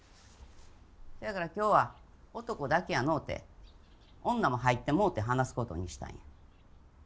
せやから今日は男だけやのうて女も入ってもうて話す事にしたんや。